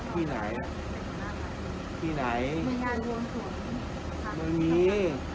ที่ไหนที่ไหนไม่มี